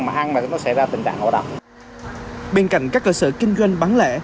mà ăn nó sẽ ra tình trạng ổn định bên cạnh các cơ sở kinh doanh bán lẻ